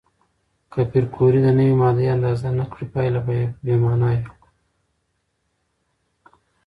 که پېیر کوري د نوې ماده اندازه نه کړي، پایله به بې معنا وي.